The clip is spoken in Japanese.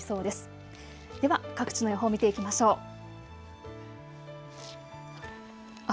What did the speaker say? では、各地の予報見ていきましょう。